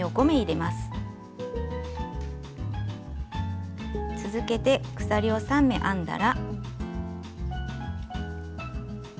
また鎖を３目編んだら。